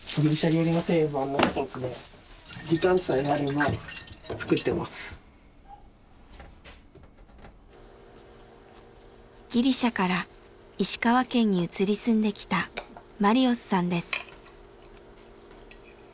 こういうギリシャから石川県に移り住んできたマリオスさんです。